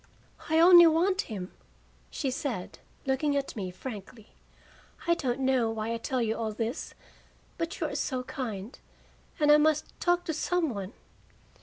"I only want him," she said, looking at me frankly. "I don't know why I tell you all this, but you are so kind, and I must talk to some one."